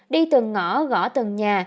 đi từng ngõ gõ từng nhà